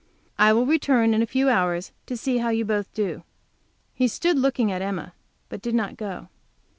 "I will return in a few hours to see how you both do." He stood looking at, Emma, but did not go.